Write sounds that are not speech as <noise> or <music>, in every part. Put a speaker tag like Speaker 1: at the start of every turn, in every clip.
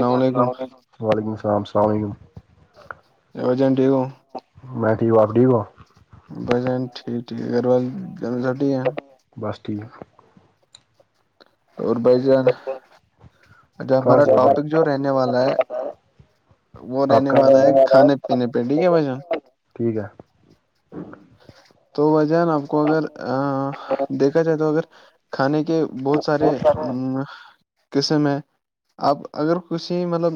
Speaker 1: یکم السلام علیکم و ععلیکم السلام السلام علیکم میں ٹھیک ہ آپ ٹھیک ہوا
Speaker 2: بس ج ٹھیک ٹھیک گگرو جد سٹی ہے
Speaker 1: بس ٹھیک
Speaker 2: اور بھائی جان اھ ہمارا ٹاپک جو رہنے والا ہے وہ رہنے والا ہے کھانے پینے پہ ٹھیک ہے بھشان
Speaker 1: ٹھیک ہے
Speaker 2: تو وہجہان آپ کو اگر دیکھا جائے تو اگر کھانے کے بہت سارے ا قسمیں آپ اگر کسی مطلب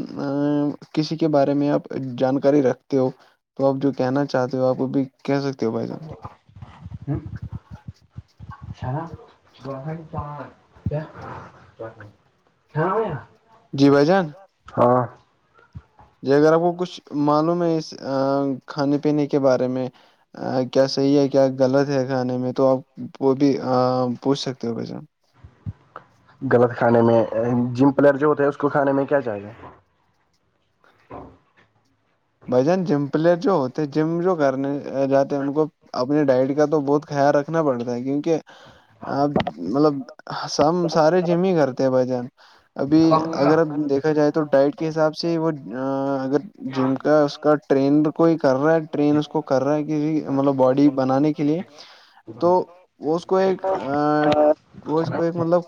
Speaker 2: کسی کے بارے میں آپ جانکاری رکھتے ہو تو آپ جو کہنا چاہتے ہو آپ وہ بھی کہہ سکتے ہو بھائی جان
Speaker 1: ہ سانا تو کیا ہاں بھیا
Speaker 2: جی بھ جان
Speaker 1: ہاں
Speaker 2: جی اگر آپ کو کچھ معلوم ہے اس کھانے پینے کے بارے میں کیا صحیح ہے کیا غلط ہے کھانے میں تو آپ وہ بھی پوچھ سکتے ہو بان
Speaker 1: غلط کھانے میں جم پلیئر جو ہوتے ہے اس کو کھانے میں کیا جائے گا
Speaker 2: بھ جان جم پلیئر جو ہوتے ہیں جم جو کرنے جاتے ہیں ان کو اپنی ڈائٹ کا تو بہت خیال رکھنا پڑتا ہے کیونکہ آ مطلب سم سارے جم ہی کرتے ہیں بھائی جان ابھی اگر اب دیکھا جائے تو ڈائٹ کے حساب سے وہ اگر جم کا اس کا ٹرین کوئی کر رہا ہے ٹرین اس کو کر رہا ہے کسی مطلب باڈی بنانے کے لیے تو اس کو ایک ا وہ اس کو ایک مطلب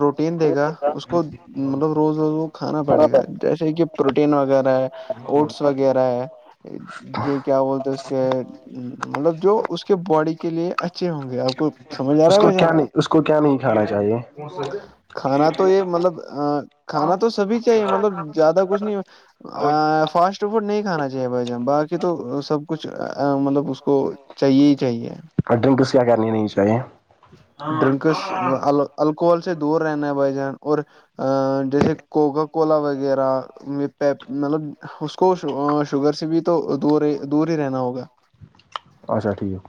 Speaker 2: روٹین دے گا اس کو مطلب روز روز وہ کھانا پڑے گا جیسے کہ پروٹین وغیرہ ہے اور وغیرہ ہے یہ کیا بولتے اس کے مطلب جو اس کے باڈی کے لیے اچھے ہوں گے آپ کو سمجھ آ رہا ہے بشان کھانا تو یہ مطلب کھانا تو سبھی چاہیے مطلب زیادہ کچھ نہیں فاسٹ فٹ فوڈ نہیں کھانا چاہیے بھائی جان باقی تو سب کچھ مطلب اس کو چاہیے ہی چاہیے
Speaker 1: اور ڈرنکس کیا کرنی نہیں چاہیے
Speaker 2: الکوحل سے دور رہنا ہے بھائی جان اور ا جیسے کوکا کولا وغیرہ میں پ مطلب اس اس کو شوگر سے بھی تو دور ہی دور ہی رہنا ہوگا
Speaker 1: اچھا ٹھیک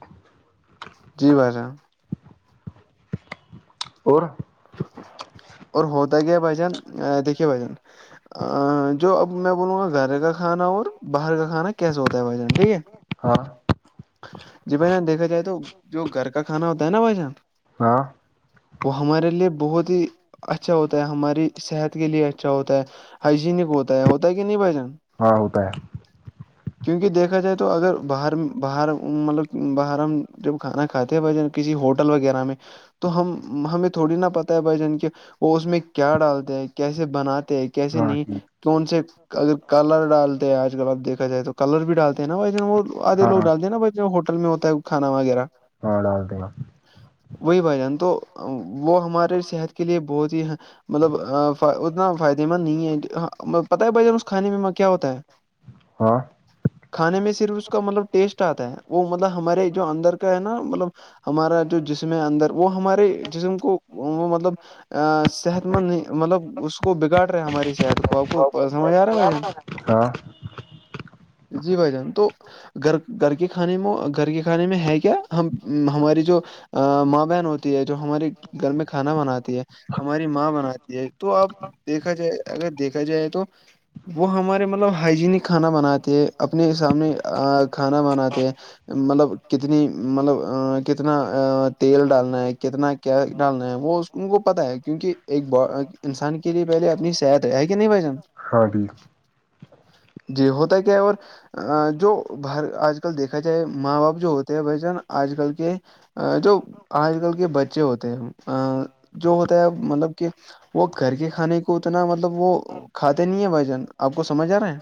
Speaker 2: جی بھائی جان
Speaker 1: اور
Speaker 2: اور ہوتا گیا بھ جان دیکھیے بھائی جان ا جو اب میں بولوں گا گھر کا کھانا اور باہر کا کھانا کیسے ہوتا ہے بھائی جان ٹھیک ہے
Speaker 1: ہاں
Speaker 2: جی بھ جان دیکھا جائے تو جو گھر کا کھانا ہوتا ہے نا بھائی جان وہ ہمارے لیے بہت ہی اچھا ہوتا ہے ہماری صحت کے لیے اچھا ہوتا ہے ہائجینک ہوتا ہے ہوتا ہے کہ نہیں بھجن
Speaker 1: ہوتا ہے
Speaker 2: <inaudible> کیونکہ دیکھا جائے تو اگر باہر باہر مطلب باہر ہم جب کھانا کھاتے ہیں بھ جن کسی ہوٹل وغیرہ میں تو ہم ہمیں تھوڑی نہا پتا ہے بھائی جان کے وہ اس میں کیا ڈالتے ہے کیسے بناتے ہیں کیسے نہیں کون سے اگر کلر ڈالتے ہیں آج کل آپ دیکا جائے تو کلر بھی ڈالتے ہیں نا ب وہ آدے لوگ ڈالتے ہیں نا ب جو ہوٹل میں ہوتا ہے کھانا وغیرہ
Speaker 1: ہاں ڈال د
Speaker 2: وہی بھائی جان تو وہ ہمارے صحت کے لیے بہت ہی مطلب اتنا فائدے مند نہیں ہے پتہ ہے بھائی جان اس کھانے میں کیا ہوتا ہے <inaudible>
Speaker 1: ہاں
Speaker 2: کھانے میں صرف اس کا مطلب ٹیسٹ آتا ہے وہ مطلب ہمارے جو اندر کا ہے نا مطلب ہمارا جو جسم ہے اندر وہ ہمارے جسم کو وہ مطلب صحت مند نہیں مطلب اس کو بگاڑ رہا ہے ہماری صحت کو آپ کو سمجھ آ رہا ہے بھائی جان
Speaker 1: ہاں
Speaker 2: جی بھائی جان تو گھر گھر کے کھانے میں گھر کے کھانے میں ہے کیا ہم ہماراری جو ماں بہن ہوتی ہے جو ہماراری گھر میں کھانا بناتی ہماری ماں بناتی ہے تو آپ دیکھا جائے اگر دیکھا جائے تو وہ ہمارے مطلب ہائجینک کھانا بناتے ہیں اپنے سامنے کھانا بناتے مطلب کتنی مطلب کتنا تیل ڈالنا ہے کتنا کیا ڈالنا ہے وہ ان کو پتا ہے کیونکہ ایک انسان کے لیے پہلے اپنی صحت ہے کہ نہیں بھجن
Speaker 1: ہاں جی <inaudible>
Speaker 2: جی ہوتا ہے کیا اور ا جو بر آج کل دیکھا جائے ماں باپ جو ہوتے ہیں بھ جن آج کل کے ا جو آج کل کے بچے ہوتے ہیں جو ہوتا ہے مطلب کہ وہ کر کے کھانے کو اتنا مطلب وہ کھاتے نہیں ہے بھ جن آپ کو سمجھ آ رہا ہے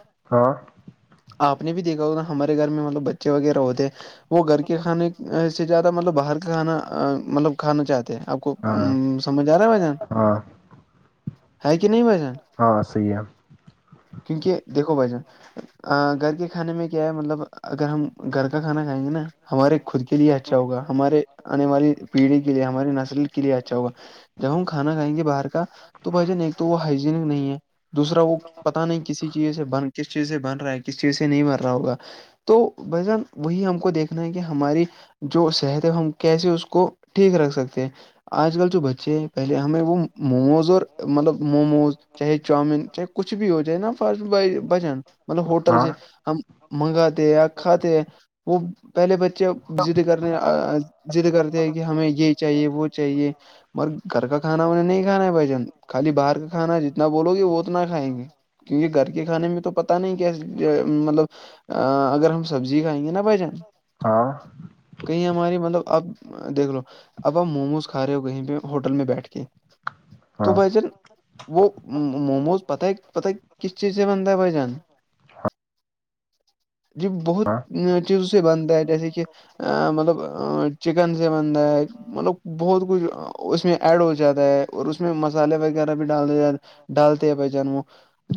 Speaker 2: آپ نے بھی دیکھا ہوگا ہمارے گھر میں مطلب بچے وغیرہ ہوتے ہیں وہ گھر کے کھانے سے زیادہ مطلب باہر کا کھانا مطلب کھانا چاہتے ہیں آپ کو سمجھ آ رہا ہے بھ جان ہے کہ نہیں بھ جان
Speaker 1: ہاں صحیح ہے
Speaker 2: کیونکہ دیکھو بائی جان گھر کے کھانے میں کیا ہے مطلب اگر ہم گھر کا کھانا کھائیں گے نا ہمارے خود کے لیے اچھا ہوگا ہمارے آنے والی پیڑھی کے لیے ہماری نسل کے لیے اچھا ہوگا جب ہم کھانا کھائیں گے باہر کا تو بجن ایک تو وہ ہائجینک نہیں ہے دوسرا کو پتا نہیں کسی چیز سے ب کس چیز سے بن رہا ہے کس چیز سے نہیں بن رہا ہوگا تو بھ جان وہی ہم کو دیکھنا ہے کہ ہماری جو صحت ہے ہم کیسے اس کو ٹھیک رکھ سکتے ہیں آج کل جو بچے ہیں پہلے ہمیں وہ موموز اور مطلب موموز چاہے چاؤمین چاہے کچھ بھی ہو جائے نا فٹ بجن مطلب ہوٹل سے <unintelligible> ہم منگاتے یا کھاتے ہیں وہ پہلے بچے بجلی کرنے <unintelligible> ضد کرتے ہیں کہ ہمیں یہ چاہیے وہ چاہیے مگر گھر کا کانا انہیں نہیں کھانا ہے بھ جان خالی باہر کا کھانا جتنا بولو گی وہ اتنا کھائیں گے کیونکہ گھر کے کھانے میں تو پتہ نہیں کہ مطلب اگر ہم سبزی کھائیں گے نا بھجن
Speaker 1: ہاں
Speaker 2: کہیں ہماری مطلب اب دیکھ لو اب موموز کھ رہے ہو کہیں پہ ہوٹل میں بیٹھ کے تو بھائی جن وہ موموز پتاہ ہے پتا کس چیز سے بنتا ہے بھ جان جی بہت چیزوں سے بنتا ہے جیسے کہ ا مطلب چکن سے بن ہے مطلب بہت <unintelligible> کچھ اس میں ایڈ ہو جاتا ہے اور اس میں مسالحے وغیرہ بھی ڈال د جات ڈالتے ہیں بھ جانم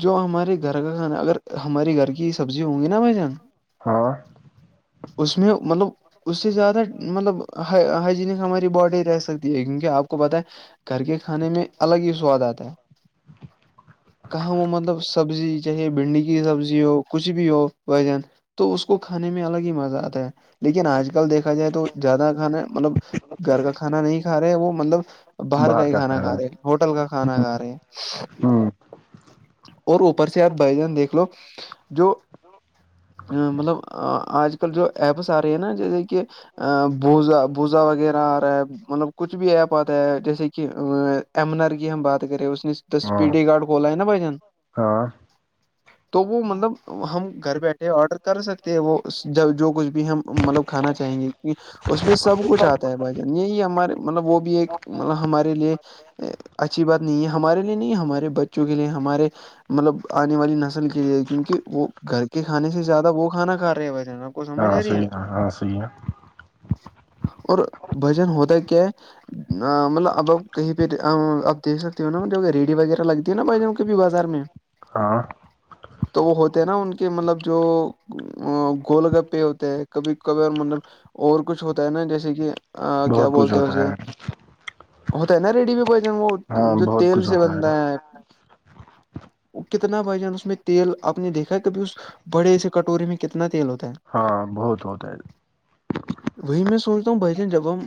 Speaker 2: جو ہمارے گھر کا کھانا اگر ہماری گھر کی سبزی ہوں گی نا بھ جان <unintelligible> <unintelligible> اس میں مطلب اس سے زیادہ مطلب ہائجینک ہماری باڈی رہ سکتی کیونکہ آپ کو بت ہے گھر کے کھانے میں الگ ہی سواد آتا ہے کہاں وہ مطلب سبزی چاہے بھنڈی کی سبزی ہو کچھ بھی ہو وجن تو اس کو کھانے میں الگ ہی مزہ آتا ہے لیکن آج کل دیکھا جائے تو زیادہ کھانا مطلب گھر کا کھانا نہیں کھا رہے وہ مطلب باہر کا ہی کھانا کھا رہے ہوٹل کا کھانا کھا رہے ہیں اور اوپر سے آپ بائیجان دیکھ لو جو مطلب آج کل جو ایپس آ رہے ہیں نا جیسے کہ ا بوزا بوزا وغیرہ آ رہا ہے مطلب کچھ بھی ایپ آتا ہے جیسے کہ ایمنر کی ہم بات کریں اس نے اسپی ڈی گارڈ کھلا ہے نا بھ جان
Speaker 1: ہاں
Speaker 2: <unintelligible> تو وہ مطلب ہم گھر بیٹھے آرڈر کر سکتے ہیں وہ جو کچھ بھی ہم مطلب کھانا چاہیں گے کی اس میں سب کچھ آتا ہے بھائی جان یہی ہمارے مطلب وہ بھی ایک مطلب ہمارے لیے اچھی بات نہیں ہے ہمارے لیے نہیں ہمارے بچوں کے لیے ہمارے مطلب آنے والی نسل کے لیے کیونکہ وہ گھر کے کھانے سے زیادہ وہ کھانا کھا رہے ب ج نب کو سمجھ آ رہی ہے اور بھائی جان ہوتا کیا ہے <unintelligible> نہ مطلب اب اپ کہیں پہ آپ دھ سکتی ہو نالب ریڑی وغیرہ لگتی ہے نا بھائی ج کےبھی بازار میں
Speaker 1: ہاں
Speaker 2: تو وہ ہوتے نا ان کے مطلب جو ا گول گپے ہوتے ہیں کبھی کبھی اور مطلب اور کچھ ہوتا ہے نا جیسے کہ ا کیا بولتے ہیں اسے ہوتا ہے نا ریڈی بھی بھائی جان وہ جو تیل سے بنتا ہے کتنا بائی جان اس میں تیل آپ نے دیکھا ہے کبھی اس بڑے سے کٹوری میں کتنا تیل ہوتا ہے
Speaker 1: ہاں بہت ہوتا ہے
Speaker 2: وہی میں سوچتا ہوں بہ دن جب ہم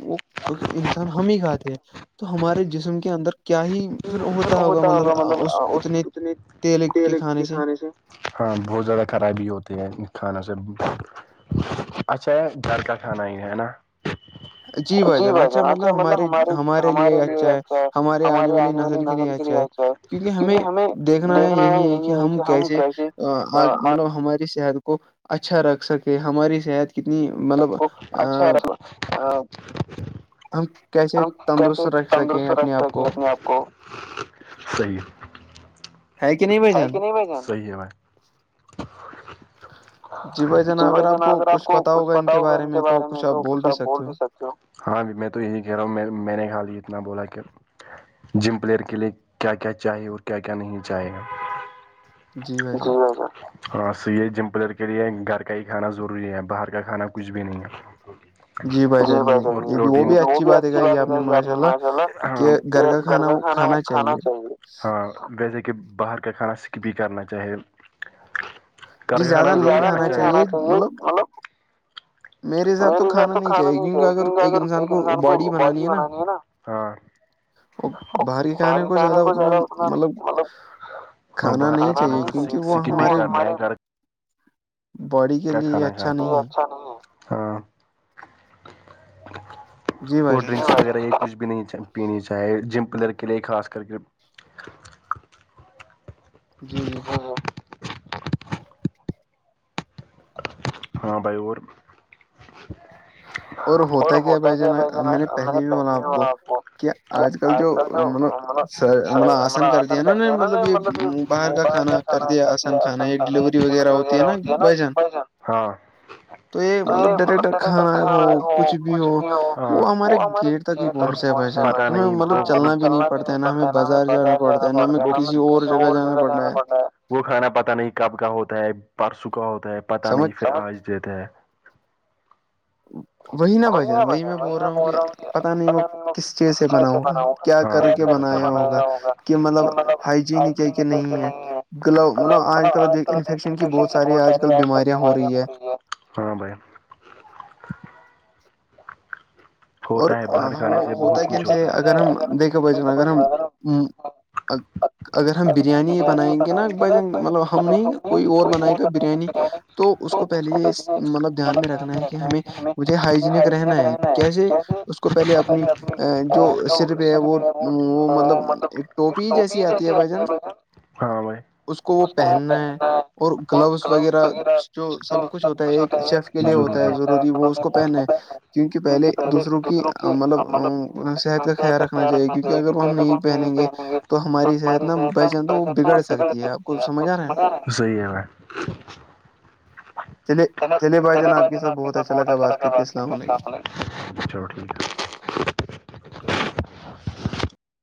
Speaker 2: انسان ہم ہی کھاتے ہیں تو ہمارے جسم کے اندر کیا ہی
Speaker 1: ہوتا ہوگا مطلب اتنے تیل کے کھانے سے ہاں بہت زیادہ خرابی ہوتی ہے کھانا سے اچھا گھر کا کھانا ہی ہے نا
Speaker 2: <inaudible> جی بھجن اچھا مطلب ہمارے ہمارے لیے اچھا ہے ہمارے آنے والی نسل کے لیے چاہے کیونکہ ہمیں دیکھنا یہی ہے کہ ہم کیسے مطلب ہماری صحت کو کو اچھا رکھ سکے ہماری صحت کتنی مطلب
Speaker 1: اچھا ر ہم کیسے تندرست رکھ سکے اپنے آپ کو سی کھ کے نہیں میں ج سیے میں جی وس نا اگر آپ کو کچھ پتا ہوگا ان کے بارے میں تو کچھ آپ بول بھی سکتے ہاں میں تو یہی کہہ رہا ہوں میں نے خال ہی اتنا بولا کیا جم پلیئر کے لیے کیا کیا چاہیے اور کیا کیا نہیں چاہے گا <unintelligible> ہاں س یہ جمپلر کے لیے گھر کا ہی کھانا ضروری ہے باہر کا کھانا کچھ بھی نہیں ہے جی ب وہ بھی اچھی بات ہے یاد میں ماشاء اللہ کہ گھر گھر کھانا ہو کھانا چاہے ہاں جیسے کہ باہر کا کھانا سکپ ہی کرنا چاہیے کر کھانا
Speaker 2: میرے حساب تو کھانا نہیں چاہیے کیونکہ اگر ایک انسان کو باڈی بنانی ہے نا اور باہر کھانے کو زیادہ اتنا مطلب کھانا نہیں چاہیے کیونکہ وہ ہمارے
Speaker 1: کیا کھانا کھیں ہاں اور ڈرنکس وغیرہ یہ کچھ بھی نہیں پینی چاہی جم پلیئر کے لیے خاص کر کے
Speaker 2: جی جی
Speaker 1: ہاں بائیور
Speaker 2: اور ہوتا ہے کیا بھائی جانا میں نے پہلے بھی بولا آپ کو کہ آج کل جو مطلب س مطلب آ پند کر دیا انوں نے مطلب یہ باہر کا کھانا کر دیا آسان کھانا ایک ڈیلیوری وغیرہ ہوتی ہے نا بھ جان تو یہ مطلب ڈائریکٹر کان ہے وہ کچھ بھی ہو وہ ہمارے گیٹ تک ہی پہنچتے بھائی جن ہمیں مطلب چلنا بھی نہیں پڑتا ہے نا ہمیں بازار جانا پڑتا ہے ن ہمیں کسی اور جگہ جانا پڑنا ہے
Speaker 1: وہ کھانا پتا نہیں کب کا ہوتا ہے پرسوں کا ہوتا ہے پت نہیں پھر آج دیتا ہے
Speaker 2: وہی نہ بجن وہی میں بول رہا ہوں کہ پتا نہیں وہ کس چیز سے بناؤں گا کیا کر کے بنایا ہوگا کہ مطلب ہائجینک ہے کہ نہیں ہے گلا مطلب آج کل دیک انفیکشن کی بہت ساری آج کل بیماریاں ہو رہی ہے
Speaker 1: ہاں بھائی
Speaker 2: اور وہ ہوتا ہے کہ ان سے اگر ہم دیکھو ب اگر ہم اگر ہم بریانی ہی بنائیں گے نا ب مطلب ہم نہیں کوئی اور بنائے گا بریانی تو اس کو پہلے یہ مطلب دھیان میں رکھنا ہے کہ ہمیں مجھے ہائجینک رہنا ہے کیس اس کو پہلے اپنی ا جو سر پہ ہے وہ وہ مطلب ایک ٹوپی جیسی آتی ہے بھائی جان اس کو وہ پہننا ہے اور گلوز وغیرہ جو سب کچھ ہوتا ہے ایک شیف کے لیے ہوتا ہے ضروری وہ اس کو پہن ہے کیونکہ پہلے دوسروں کی مطلب صحت کا خیال رکھنا چاہیے کیونکہ اگر وہ ہم نہیں پہنیں گے تو ہماری صحت نہ بہ جان تو وہ بگڑ سکتی ہے آپ کو سمجھ آ رہے ہیں
Speaker 1: ہو
Speaker 2: چلیے چلے بھائی جان آپ کے ساتھ بہت اچھا لگا بات کر کے السلام علیکم
Speaker 1: چلو ٹھیک ہے